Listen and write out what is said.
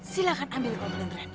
silahkan ambil pembelian terani